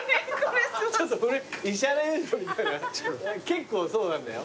結構そうなんだよ。